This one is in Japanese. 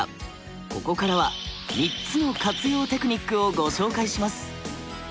ここからは３つの活用テクニックをご紹介します。